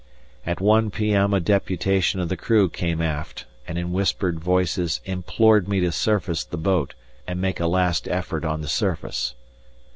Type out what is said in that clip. At 1 p.m. a deputation of the crew came aft, and in whispered voices implored me to surface the boat and make a last effort on the surface.